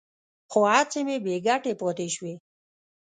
خو هڅې مې بې ګټې پاتې شوې.